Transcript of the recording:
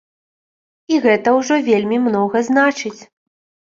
І гэта ўжо вельмі многа значыць.